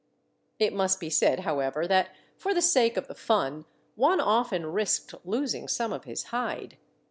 " It must be said, however, that for the sake of the fun one often risked losing some of his hide.